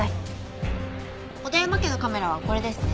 小田山家のカメラはこれですね？